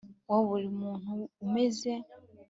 wa buri muntu umeze